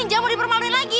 jangan mau dipermaluin lagi